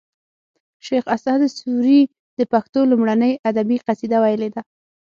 شیخ اسعد سوري د پښتو لومړنۍ ادبي قصیده ویلې ده